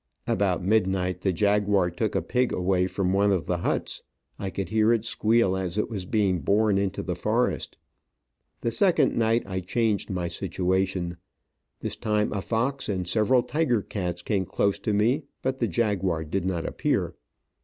About midnight the jaguar took a pig away from one of the huts. I could hear it squeal as it was being borne into the forest. The second night I changed my situation ; this time a fox and several tiger cats came close to me, but the jaguar did not appear.